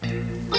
keh gini ya